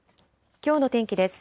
きょうの天気です。